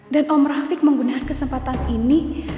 dan om rafiq menggunakan kesempatan ini